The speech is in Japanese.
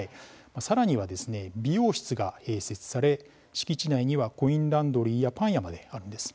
さらには美容室が併設され敷地内にはコインランドリーやパン屋まであるんです。